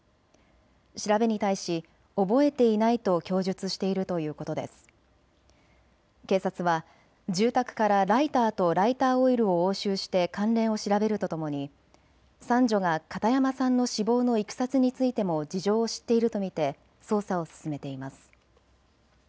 調べに対し覚えていないと供述しているということで警察は住宅からライターとライターオイルを押収して関連を調べるとともに三女が片山さんの死亡のいきさつについても事情を知っていると見て捜査を進めています。